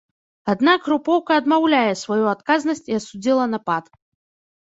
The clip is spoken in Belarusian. Аднак, групоўка адмаўляе сваю адказнасць і асудзіла напад.